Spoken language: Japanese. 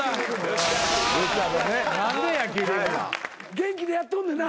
元気でやっとんねんな。